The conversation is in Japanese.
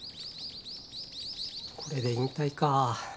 これで引退か。